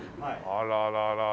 あららら。